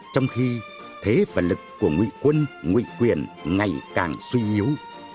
trong khi thế và lực của nguy quân nguy quyền ngày càng suy yếu